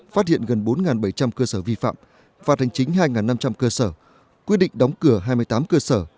phát hiện gần bốn bảy trăm linh cơ sở vi phạm phạt hành chính hai năm trăm linh cơ sở quyết định đóng cửa hai mươi tám cơ sở